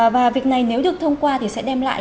và việc này nếu được thông qua thì sẽ đem lại